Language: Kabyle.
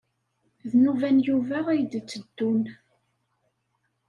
D nnuba n Yuba ay d-yetteddun.